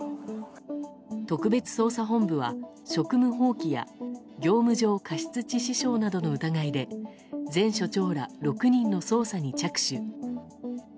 特別捜査本部は職務放棄や業務上過失致死傷などの疑いで前署長ら６人の捜査に着手。